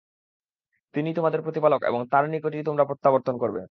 তিনিই তোমাদের প্রতিপালক এবং তারই নিকট তোমরা প্রত্যাবর্তন করবে।